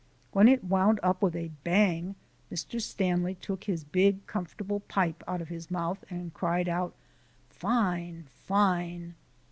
When it wound up with a bang, Mr. Stanley took his big comfortable pipe out of his mouth and cried out: "Fine, fine!"